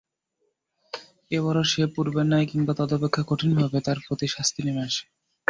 এবারও সে পূর্বের ন্যায় কিংবা তদপেক্ষা কঠিনভাবে তাঁর প্রতি শাস্তি নেমে আসে।